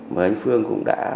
mà anh phương cũng đã